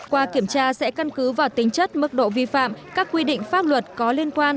qua kiểm tra sẽ căn cứ vào tính chất mức độ vi phạm các quy định pháp luật có liên quan